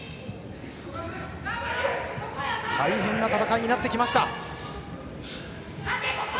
大変な戦いになってきました。